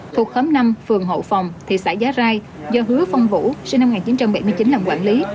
thuộc khóm năm phường hậu phòng thị xã giá rai do hứa phong vũ sinh năm một nghìn chín trăm bảy mươi chín làm quản lý